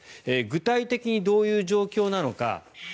具体的にどういう状況なのか。